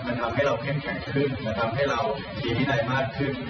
มันทำให้เราเข้มแข็งขึ้นนะครับให้เรามีวินัยมากขึ้น